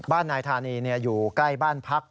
นายธานีอยู่ใกล้บ้านพัก